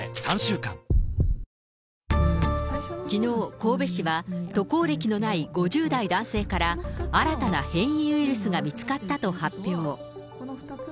神戸市は渡航歴のない５０代男性から新たな変異ウイルスが見つかったと発表。